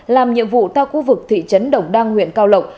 làm nhiệm vụ tại khu vực thị trấn đồng đăng huyện cao lộc